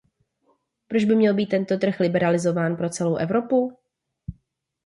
Proč by měl být tento trh liberalizován pro celou Evropu?